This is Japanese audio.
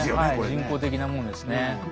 人工的なものですね。